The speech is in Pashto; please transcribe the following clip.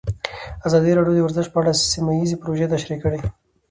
ازادي راډیو د ورزش په اړه سیمه ییزې پروژې تشریح کړې.